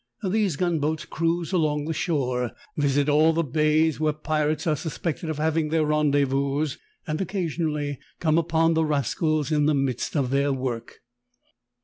These gun boats cruise along the shore, visit all the bays where pirates are suspected of having their rendez vous, and occasionally come upon the rascals in the midst of their work.